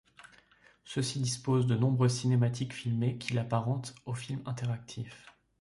Ceux-ci disposent de nombreuses cinématiques filmées qui l'apparentent au film interactif.